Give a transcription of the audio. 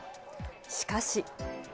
しかし。